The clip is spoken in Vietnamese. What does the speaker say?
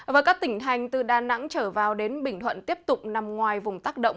và các tỉnh thành từ đà nẵng trở vào đến bình thuận tiếp tục nằm ngoài vùng tác động